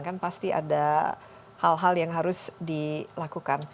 kan pasti ada hal hal yang harus dilakukan